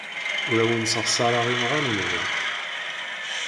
Ur awen-ssexṣareɣ imɣan-nwen.